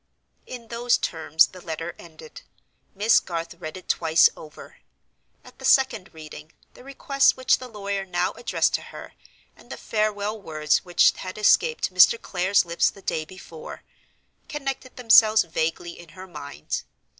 In those terms the letter ended. Miss Garth read it twice over. At the second reading the request which the lawyer now addressed to her, and the farewell words which had escaped Mr. Clare's lips the day before, connected themselves vaguely in her mind.